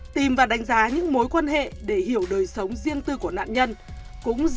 tìm và đánh giá những mối quan hệ để hiểu đời sống riêng tư của nạn nhân